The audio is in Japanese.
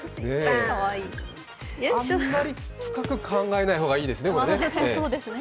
あんまり深く考えない方がいいですね。